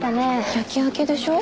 夜勤明けでしょ？